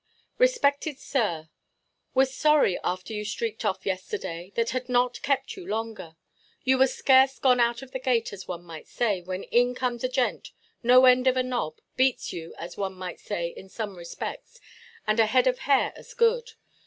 "RESPECTED SIR,—Was sorry after you streaked off yesterday that had not kept you longer. You was scarce gone out of the gate as one might say, when in comes a gent, no end of a nob, beats you as one might say in some respects, and a head of hair as good.